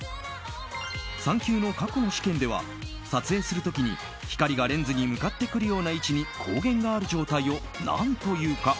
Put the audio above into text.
３級の過去の試験では撮影する時に光がレンズに向かってくるような位置に光源がある状態を何というか？